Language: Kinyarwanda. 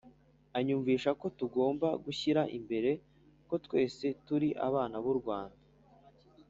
Anyumvisha ko tugomba gushyira imbere ko twese turi abana b'u Rwanda